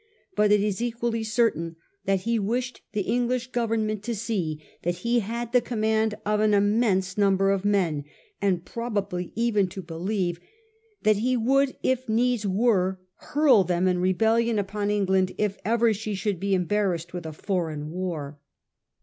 But it is equally certain that he wished the English Government to see that he had the command of an immense number of men, and probably even to believe that he would, if needs were, hurl them in rebellion upon England if ever she should be embarrassed with a foreign war.